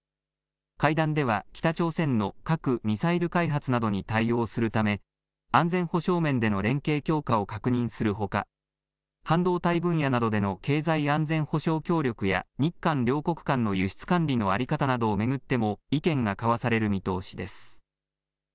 会談では、北朝鮮の核・ミサイル開発などに対応するため、安全保障面での連携強化を確認するほか、半導体分野などでの経済安全保障協力や日韓両国間の輸出管理の在り方などを巡っても意見が交わされる見通しです。